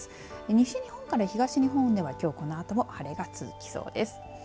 西日本から東日本ではきょう、このあとも晴れが続きそうです。